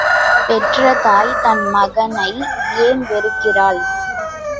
பெற்ற தாய் தன் மகனை ஏன் வெறுக்கிறாள்?